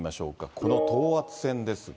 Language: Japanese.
この等圧線ですが。